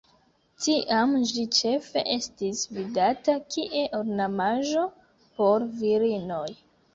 Tiam ĝi ĉefe estis vidata kie ornamaĵo por virinoj.